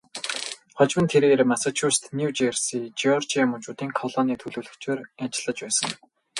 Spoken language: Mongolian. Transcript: Хожим нь тэрээр Массачусетс, Нью Жерси, Жеоржия мужуудын колонийн төлөөлөгчөөр ажиллаж байсан.